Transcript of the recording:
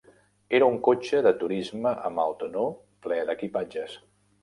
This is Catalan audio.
Era un cotxe de turisme amb el 'tonneau' ple d'equipatges.